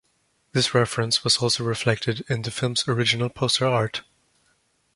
This reference was also reflected in the film's original poster art.